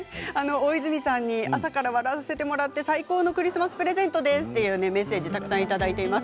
大泉さんに朝から笑わせてもらって、最高のクリスマスプレゼントですというメッセージたくさんいただいています。